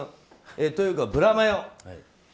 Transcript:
というか、ブラマヨ。